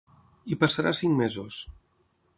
Hi passarà cinc mesos.